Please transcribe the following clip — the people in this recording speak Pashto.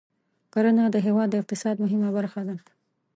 کرنه د هېواد د اقتصاد مهمه برخه ده.